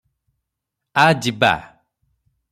ଆ- ଯିବା ।"